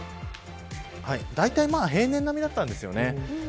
だいたい平年並みだったんです。